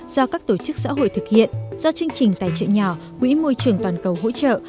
do các tổ chức xã hội thực hiện do chương trình tài trợ nhỏ quỹ môi trường toàn cầu hỗ trợ